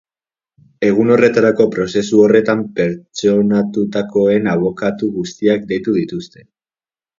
Egun horretarako prozesu horretan pertsonatutakoen abokatu guztiak deitu dituzte.